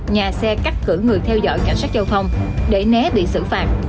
nhà xe cắt cử người theo dõi cảnh sát giao thông để né bị xử phạt